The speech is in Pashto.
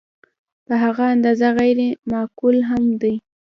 په هغه اندازه غیر معقول هم دی.